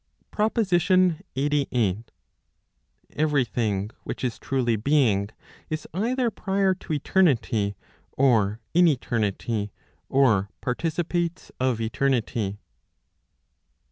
PROPOSITION LXXXVIII. Every thing* which is truly being, is either prior to eternity, or in eternity, or participates of eternity.